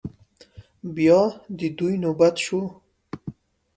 بيا د دوی نوبت شو.